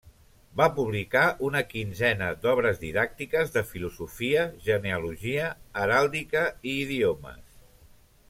Va publicar una quinzena d'obres didàctiques de filosofia, genealogia, heràldica i idiomes.